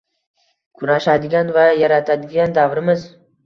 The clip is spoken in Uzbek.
kurashadigan va yaratadigan davrimiz.